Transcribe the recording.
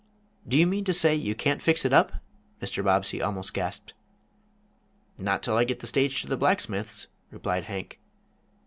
"Do you mean to say you can't fix it up?" Mr. Bobbsey almost gasped. "Not till I get the stage to the blacksmith's," replied Hank.